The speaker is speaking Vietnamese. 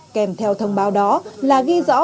kèm theo thông báo đó là ghi rõ